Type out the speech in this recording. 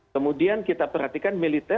kemudian kita perhatikan militer